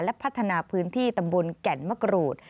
และพัฒนาพื้นที่ตำบลแก่นมะกรูด